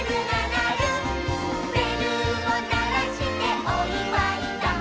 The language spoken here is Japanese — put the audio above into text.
「べるをならしておいわいだ」